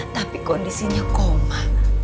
tapi kondisinya koma